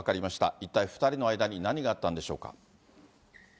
一体、２人の間に何があったんでしょうか。